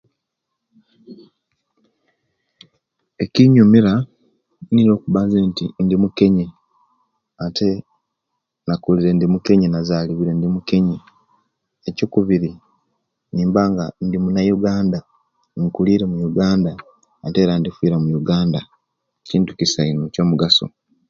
Ekiyumira niyo okuba nze nti ndi mukenye ate na'kulire ndiukenye nazalibirwe ndi mukenye ekyokubiri nimba nga ndi munauganda, inkulire muyuganda ate era ndifira mu uganda kintu kisa ino kyo'mugaso